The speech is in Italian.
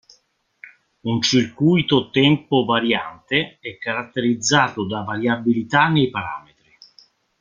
Un circuito tempo variante è caratterizzato da variabilità nei parametri.